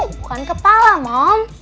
bukan kepala mom